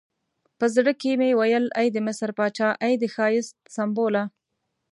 په زړه کې مې ویل ای د مصر پاچا، ای د ښایست سمبوله.